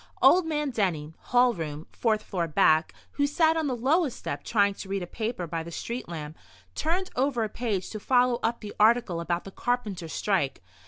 Old man Denny, hall room, fourth floor back, who sat on the lowest step, trying to read a paper by the street lamp, turned over a page to follow up the article about the carpenters' strike.